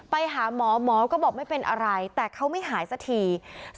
ไปหาหมอหมอก็บอกไม่เป็นอะไรแต่เขาไม่หายสักที